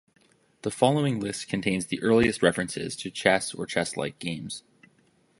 The following list contains the earliest references to chess or chess-like games.